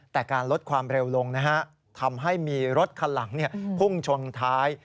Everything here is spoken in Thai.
แต่การลดความเร็วลงนะฮะทำให้มีรถคันหลังพุ่งชนท้าย